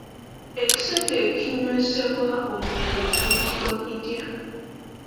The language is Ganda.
Ekiseke ekinywesebwa omwenge kiyitibwa kitya?